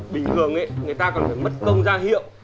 bình thường người ta còn phải mất công gia hiệu